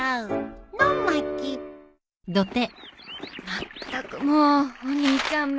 まったくもうお兄ちゃんめ。